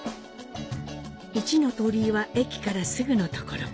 一ノ鳥居は駅からすぐのところ。